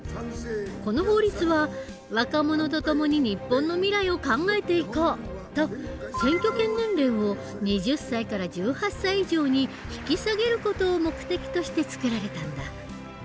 この法律は「若者とともに日本の未来を考えていこう」と選挙権年齢を２０歳から１８歳以上に引き下げる事を目的として作られたんだ。